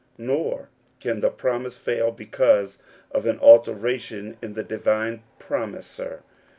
Nor can the promise fail because of an alteration^ in the Divine Promiser.